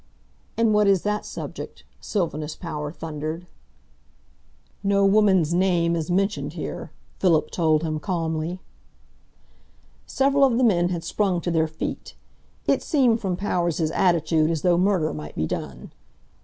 "And what is that subject?" Sylvanus Power thundered. "No woman's name is mentioned here," Philip told him calmly. Several of the men had sprung to their feet. It seemed from Power's attitude as though murder might be done.